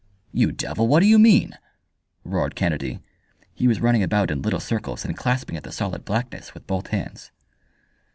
"You devil, what do you mean?" roared Kennedy. He was running about in little circles and clasping at the solid blackness with both hands.